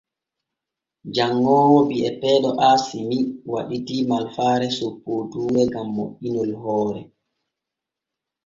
Janŋoowo bi’eteeɗo Aasimi waɗidii malfaare soppooduure gam moƴƴinol hoore.